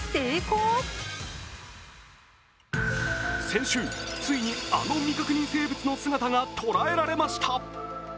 先週、ついにあの未確認生物の姿が捉えられました。